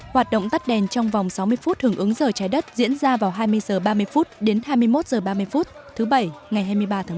hoạt động tắt đèn trong vòng sáu mươi phút hưởng ứng giờ trái đất diễn ra vào hai mươi h ba mươi đến hai mươi một h ba mươi thứ bảy ngày hai mươi ba tháng năm